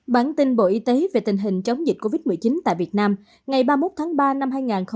bản tin bộ y tế về tình hình chống dịch covid một mươi chín tại việt nam ngày ba mươi một tháng ba năm hai nghìn hai mươi